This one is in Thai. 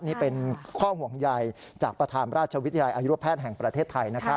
นี่เป็นข้อห่วงใยจากประธานราชวิทยาลัยอายุแพทย์แห่งประเทศไทยนะครับ